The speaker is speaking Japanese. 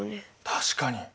確かに。